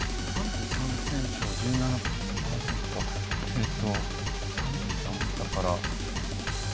えっと３３だから。